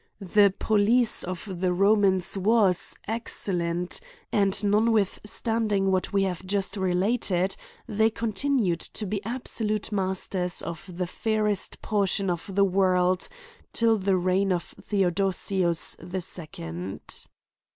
The police of the Romans was, excellent; and, notwithstanding what we J82 A COMMENTARY ON have just related, they continued to be absolute masters of the fairest porticJn of the world till the reign of Theodosius the second.